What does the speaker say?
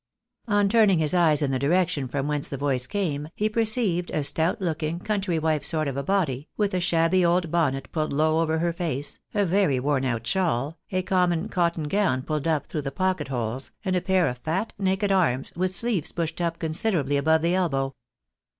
On turning his eyes in the direction from whence the voice came, he perceived a stout looking country wife sort of a body, with a shabby old bonnet pulled low over her face, a very worn out shawl, a common cotton gown pulled up tlirough the pocket holes, and a pair of fat, naked arms, with sleeves pushed up considerably above the elbow.